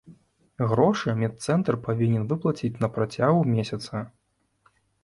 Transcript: Грошы медцэнтр павінен выплаціць на працягу месяца.